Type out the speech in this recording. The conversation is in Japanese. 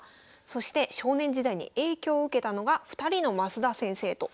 そして少年時代に影響を受けたのが２人のマスダ先生と。